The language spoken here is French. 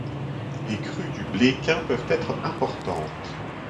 Les crues du Bléquin peuvent être importantes.